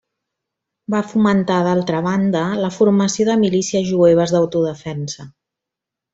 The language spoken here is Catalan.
Va fomentar d'altra banda la formació de milícies jueves d'autodefensa.